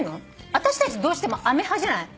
あたしたちどうしてもあめ派じゃない？